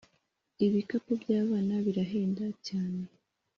Ibikapu byabana birahenda cyane